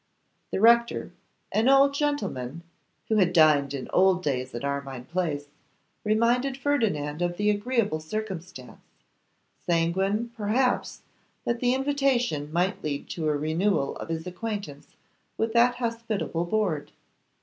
The rector, an old gentleman, who had dined in old days at Armine Place, reminded Ferdinand of the agreeable circumstance, sanguine perhaps that the invitation might lead to a renewal of his acquaintance with that hospitable board.